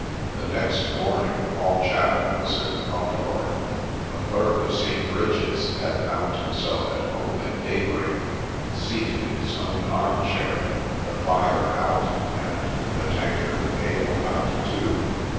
The next morning all Chatham was in an uproar. The Clerk of St. Bridget's had found himself at home at daybreak, seated in his own arm chair, the fire out, and — the tankard of ale out too